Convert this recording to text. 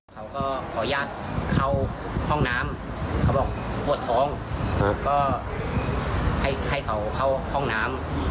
เขาก็ขออนุญาตเข้าห้องน้ำเขาบอกปวดท้องผมก็ให้เขาเข้าห้องน้ำ